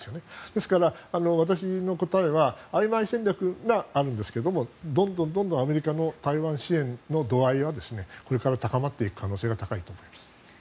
ですから私の答えは曖昧戦略があるんですけどどんどんアメリカの台湾支援の度合いはこれから高まっていく可能性が高いと思います。